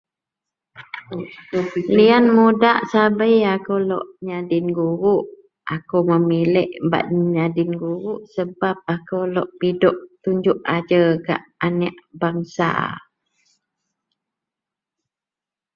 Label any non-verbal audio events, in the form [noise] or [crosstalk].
[noise] liyan mudak sabei akou lok nyadin guruk, akou memilek bak nyadin guruk sebab akou lok pidok tunjuk ajer gak aneak bangsa